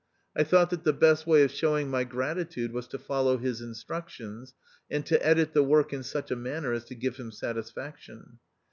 I thought that the best way of showing ray gratitude was to follow his instructions, and to edit the work in such a manner as to give him satisfaction.